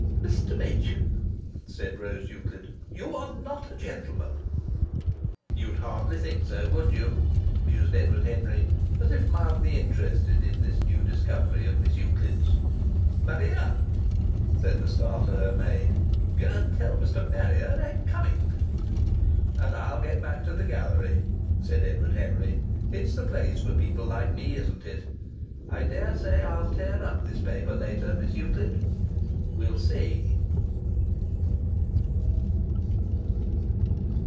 '" "Mr. Machin," said Rose Euclid, "you are not a gentleman." "You'd hardly think so, would you?" mused Edward Henry, as if mildly interested in this new discovery of Miss Euclid's. "Maria," said the star to her maid, "go and tell Mr. Marrier I'm coming." "And I'll go back to the gallery," said Edward Henry. "It's the place for people like me, isn't it? I daresay I'll tear up this paper later, Miss Euclid we'll see."